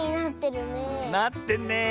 なってんねえ。